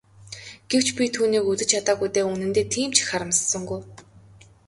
Гэвч би түүнийг үзэж чадаагүй дээ үнэндээ тийм ч их харамссангүй.